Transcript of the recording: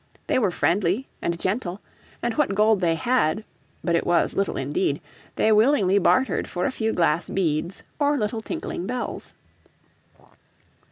They were friendly and gentle, and what gold they had but it was little indeed they willingly bartered for a few glass beads, or little tinkling bells.